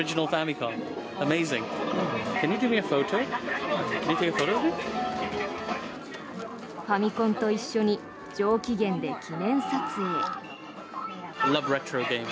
ファミコンと一緒に上機嫌で記念撮影。